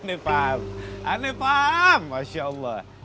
gak paham gak paham masya allah